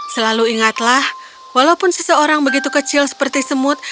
selalu ingatlah walaupun seseorang begitu kecil seperti semut